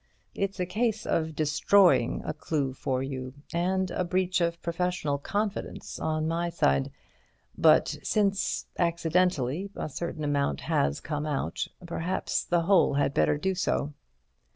"It's a case of destroying a clue for you, and a breach of professional confidence on my side. But since—accidentally—a certain amount has come out, perhaps the whole had better do so." Mr.